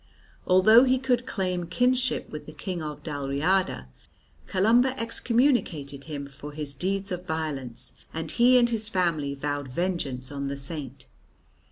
Although he could claim kinship with the King of Dalriada, Columba excommunicated him for his deeds of violence, and he and his family vowed vengeance on the Saint.